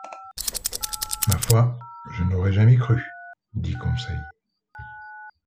Ma foi, je ne l’aurais jamais cru, dit Conseil.